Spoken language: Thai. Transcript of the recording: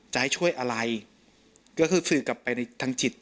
จะให้ช่วยอะไรก็คือสื่อกลับไปในทางจิต